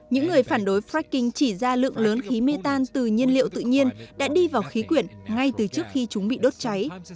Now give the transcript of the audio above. những người phản đối fracking chỉ ra lượng lớn khí mê tan từ nhiên liệu tự nhiên đã đi vào khí quyển ngay từ trước khi chúng bị đốt cháy